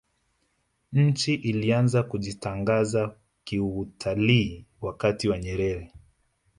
nchi ilianza kujitangaza kiutalii wakati wa nyerere